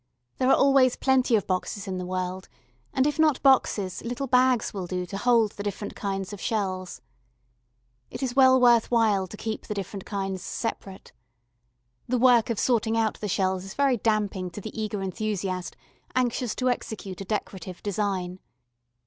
There are always plenty of boxes in the world, and if not boxes, little bags will do to hold the different kinds of shells. It is well worth while to keep the different kinds separate. The work of sorting out the shells is very damping to the eager enthusiast anxious to execute a decorative design.